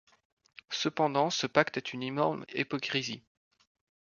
Cependant, ce pacte est une énorme hypocrisie.